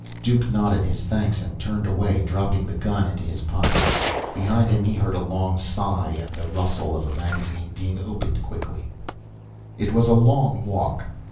Duke nodded his thanks and turned away, dropping the gun into his pocket. Behind him he heard a long sigh and the rustle of a magazine being opened quickly. It was a long walk.